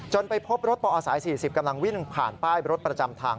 ไปพบรถปอสาย๔๐กำลังวิ่งผ่านป้ายรถประจำทาง